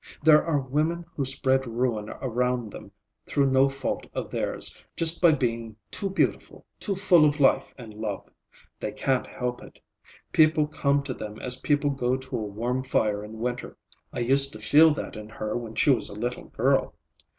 There are women who spread ruin around them through no fault of theirs, just by being too beautiful, too full of life and love. They can't help it. People come to them as people go to a warm fire in winter. I used to feel that in her when she was a little girl.